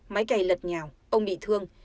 máy cày lật nhào ông bị thương